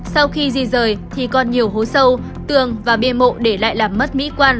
sau khi di rời thì còn nhiều hố sâu tường và bia mộ để lại làm mất mỹ quan